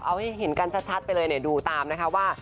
เอาให้เห็นกันชัดไปเลยดูตามนะคะว่า